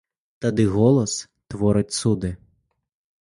Тады голас творыць цуды.